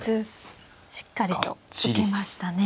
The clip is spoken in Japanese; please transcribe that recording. しっかりと受けましたね。